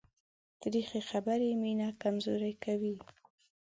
تریخې خبرې مینه کمزورې کوي.